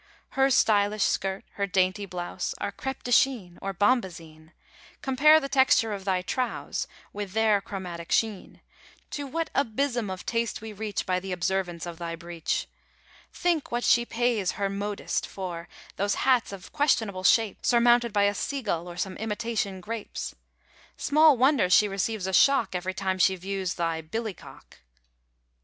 Her stylish skirt, her dainty blouse, Are crêpe de chine, or bombazine; Compare the texture of thy trous: With their chromatic sheen; To what abysm of taste we reach By the Observance of thy Breech! Think what she pays her modiste for Those hats of questionable shapes, Surmounted by a seagull or Some imitation grapes! Small wonder she receives a shock Each time she views thy "billycock"!